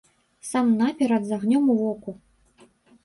Сам наперад з агнём ў воку.